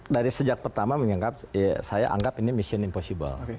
dari sejak pertama saya anggap ini mission impossible